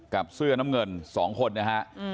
กับเสื้อน้ำเงิน๒คนนะครับ